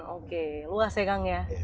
oke luas ya kang ya